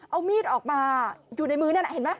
เอามีดออกมาอยู่ในมือนั่นน่ะเห็นไหม